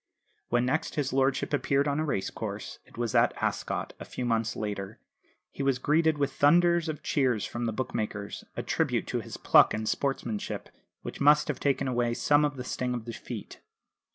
When next his lordship appeared on a race course it was at Ascot, a few months later he was greeted with thunders of cheers from the bookmakers, a tribute to his pluck and sportsmanship, which must have taken away some of the sting of defeat.